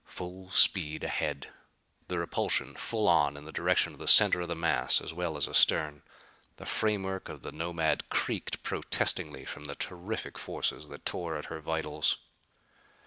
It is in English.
Full speed ahead. The repulsion full on in the direction of the center of the mass as well as astern. The framework of the Nomad creaked protestingly from the terrific forces that tore at her vitals.